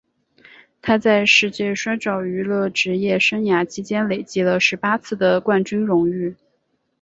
他在世界摔角娱乐职业生涯期间累计了十八次的冠军荣誉。